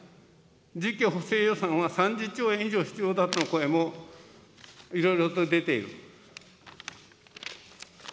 次期補正予算は３０兆円以上必要だとの声も、いろいろと出ている。